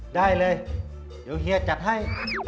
ได้เลยเดี๋ยวเฮียจัดให้